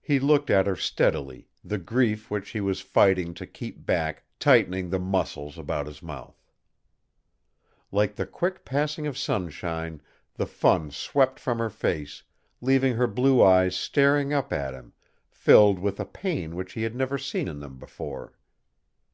He looked at her steadily, the grief which he was fighting to keep back tightening the muscles about his mouth. Like the quick passing of sunshine, the fun swept from her face, leaving her blue eyes staring up at him, filled with a pain which he had never seen in them before.